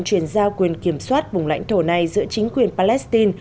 chuyển giao quyền kiểm soát vùng lãnh thổ này giữa chính quyền palestine